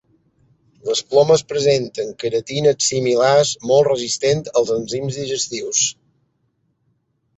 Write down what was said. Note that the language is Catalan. Les plomes presenten queratines similars molt resistents als enzims digestius.